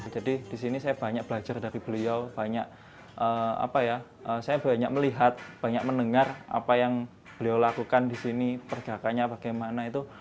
jadi disini saya banyak belajar dari beliau banyak melihat banyak mendengar apa yang beliau lakukan disini pergakanya bagaimana itu